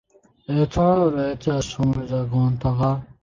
এছাড়াও রয়েছে সমৃদ্ধ গ্রন্থাগার।